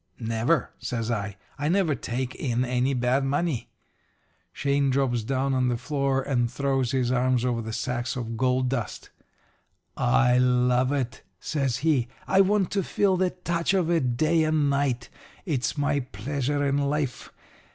"'Never,' says I. 'I never take in any bad money.' "Shane drops down on the floor and throws his arms over the sacks of gold dust. "'I love it,' says he. 'I want to feel the touch of it day and night. It's my pleasure in life.